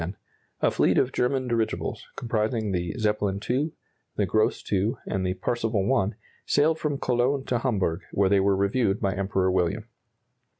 ] On April 22, 1910, a fleet of German dirigibles, comprising the "Zeppelin II," the "Gross II," and the "Parseval I," sailed from Cologne to Hamburg, where they were reviewed by Emperor William.